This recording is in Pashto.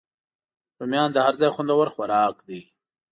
رومیان د هر ځای خوندور خوراک دی